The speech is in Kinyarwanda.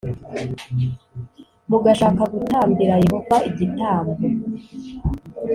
mugashaka gutambira Yehova igitamb